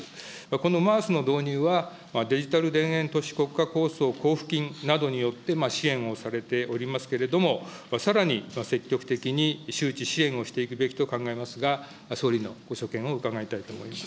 このＭａａＳの導入は、デジタル田園都市国家構想交付金などによって支援をされておりますけれども、さらに積極的に周知、支援をしていくべきと考えますが、総理のご所見を伺いたいと思います。